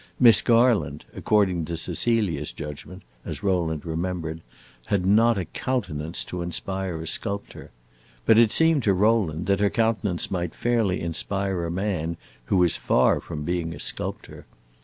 Miss Garland, according to Cecilia's judgment, as Rowland remembered, had not a countenance to inspire a sculptor; but it seemed to Rowland that her countenance might fairly inspire a man who was far from being a sculptor.